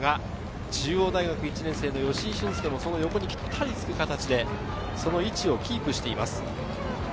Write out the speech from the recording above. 中央大学１年生の吉居駿恭も、その横にぴったりつく形でその位置をキープしています。